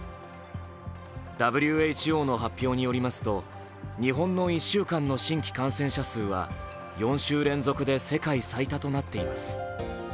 ＷＨＯの発表によりますと日本の１週間の新規感染者数は４週連続で世界最多となっています